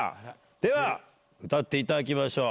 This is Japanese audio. では歌っていただきましょう。